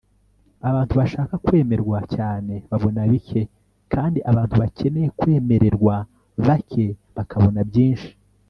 abantu bashaka kwemerwa cyane babona bike kandi abantu bakeneye kwemererwa bake bakabona byinshi